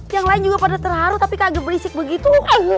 yang lain juga pada terharu tapi kaget berisik begitu